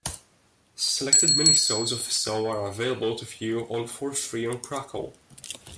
Selected Minisodes of the show are available to view for free on Crackle.